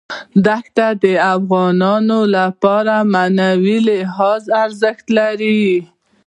دښتې د افغانانو لپاره په معنوي لحاظ ارزښت لري.